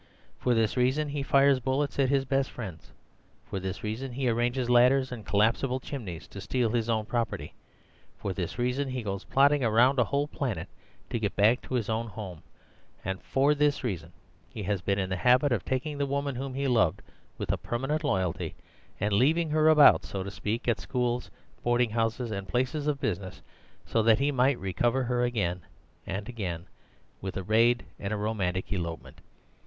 For this reason he fires bullets at his best friends; for this reason he arranges ladders and collapsible chimneys to steal his own property; for this reason he goes plodding around a whole planet to get back to his own home; and for this reason he has been in the habit of taking the woman whom he loved with a permanent loyalty, and leaving her about (so to speak) at schools, boarding houses, and places of business, so that he might recover her again and again with a raid and a romantic elopement.